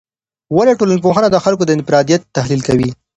ولي ټولنپوهنه د خلګو د انفرادیت تحلیل کوي؟